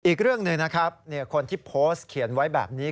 อีกเรื่องหนึ่งนะครับคนที่โพสต์เขียนไว้แบบนี้